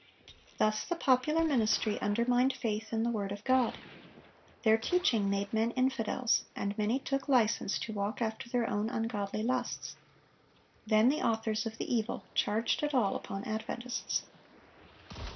Thus the popular ministry undermined faith in the word of God. Their teaching made men infidels, and many took license to walk after their own ungodly lusts. Then the authors of the evil charged it all upon Adventists.